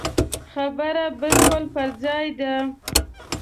خبره بالکل پر ځای ده.